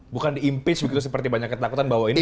bukan diimpeach begitu seperti banyak ketakutan bahwa ini